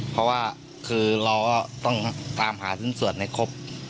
เพราะว่าคือเราก็ต้องตามหาชิ้นส่วนให้ครบ